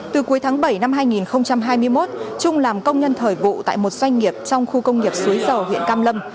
từ cuối tháng bảy năm hai nghìn hai mươi một trung làm công nhân thời vụ tại một doanh nghiệp trong khu công nghiệp suối dầu huyện cam lâm